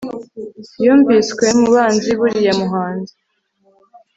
Yumviswe mu banzi buriya muhanzi